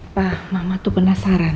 pak mama tuh penasaran